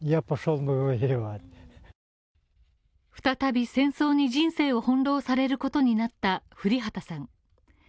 再び戦争に人生を翻弄されることになった降旗さん。